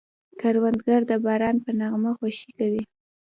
کروندګر د باران په نغمه خوښي کوي